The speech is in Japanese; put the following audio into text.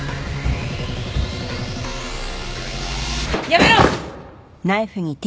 やめろ！